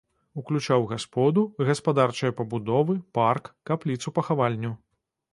Уключаў гасподу, гаспадарчыя пабудовы, парк, капліцу-пахавальню.